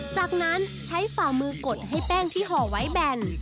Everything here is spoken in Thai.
จากนั้นใช้ฝ่ามือกดให้แป้งที่ห่อไว้แบน